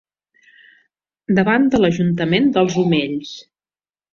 Davant de l'ajuntament dels Omells.